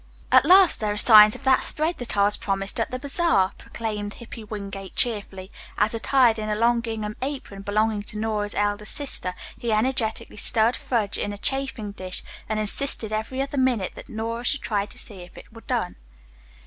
"At last there are signs of that spread that I was promised at the bazaar," proclaimed Hippy Wingate cheerfully, as attired in a long gingham apron belonging to Nora's elder sister, he energetically stirred fudge in a chafing dish and insisted every other minute that Nora should try it to see if it were done.